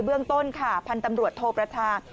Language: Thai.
เรื่องต้นค่ะพันธ์ตำรวจโทประชา